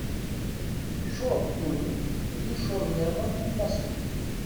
Teččur ddunit d iculliḍen n plastik.